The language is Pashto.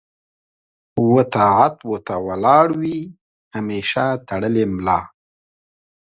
و طاعت و ته ولاړ وي همېشه تړلې ملا